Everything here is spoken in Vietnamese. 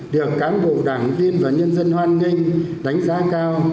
được cán bộ đảng viên và nhân dân hoan nghênh đánh giá cao